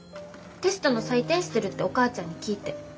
テストの採点してるってお母ちゃんに聞いて。